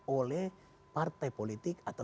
oleh partai politik atau